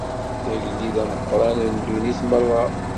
D agellid ameqqran n ddunit merra.